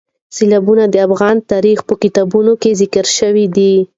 سیلابونه د افغان تاریخ په کتابونو کې ذکر شوي دي.